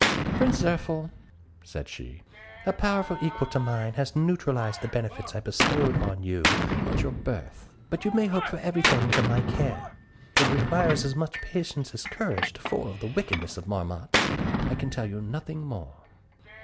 "Prince Zirphil," said she, "a power equal to mine has neutralized the benefits I bestowed on you at your birth; but you may hope for everything from my care. It requires as much patience as courage to foil the wickedness of Marmotte; I can tell you nothing more."